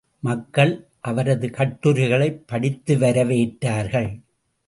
மக்கள் அவரது கட்டுரைகளைப் படித்து வர வேற்றார்கள்.